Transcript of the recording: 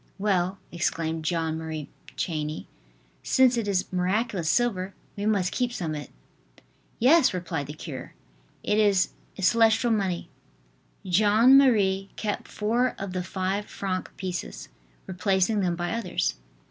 "Well," exclaimed Jeanne Marie Chaney, "since it is miraculous silver, we must keep some of it." "Yes!" replied the cure, "it is celestial money." Jeanne Marie kept four of the five franc pieces, replacing them by others.